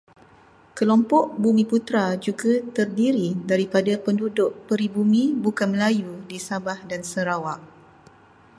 Kelompok bumiputera juga terdiri daripada penduduk peribumi bukan Melayu di Sabah dan Sarawak.